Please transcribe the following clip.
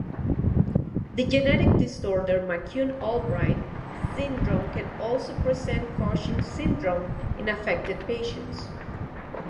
The genetic disorder McCune-Albright syndrome can also present Cushing's syndrome in affected patients.